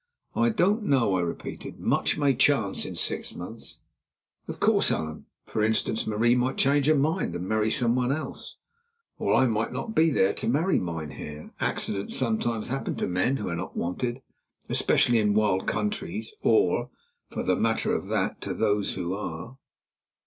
"I don't know," I repeated. "Much may chance in six months." "Of course, Allan. For instance, Marie might change her mind and marry someone else." "Or I might not be there to marry, mynheer. Accidents sometimes happen to men who are not wanted, especially in wild countries or, for the matter of that, to those who are."